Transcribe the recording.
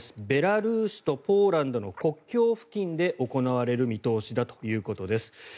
ベラルーシとポーランドの国境付近で行われる見通しだということです。